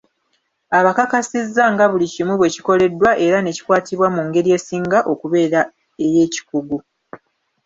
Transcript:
Abakakasiza nga buli kimu bwekikoleddwa era ne kikwatibwa mu ngeri esinga okubeera ey’ekikugu.